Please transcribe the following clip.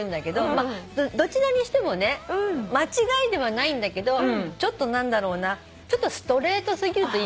どちらにしてもね間違いではないんだけどちょっと何だろうなストレートすぎるといいますか。